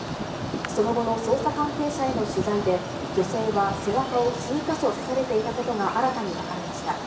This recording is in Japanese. その後の捜査関係者への取材で、女性は背中を数か所刺されていたことが新たに分かりました。